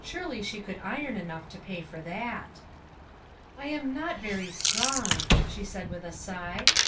Surely she could iron enough to pay for that. " I am not very strong," she said with a sigh.